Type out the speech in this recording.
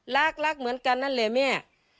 รักรักเหมือนกันนั่นแหละแม่